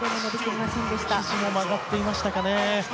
ひじも曲がっていましたかね。